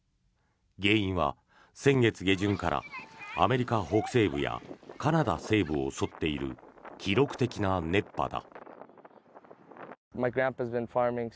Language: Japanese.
原因は先月下旬からアメリカ北西部やカナダ西部を襲っている記録的な熱波だ。